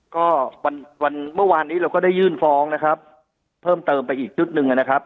ก็วันเมื่อวานนี้เราก็ได้ยื่นฟ้องนะครับเพิ่มเติมไปอีกชุดหนึ่งนะครับ